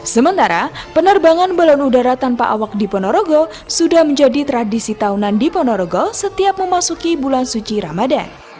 sementara penerbangan balon udara tanpa awak di ponorogo sudah menjadi tradisi tahunan di ponorogo setiap memasuki bulan suci ramadan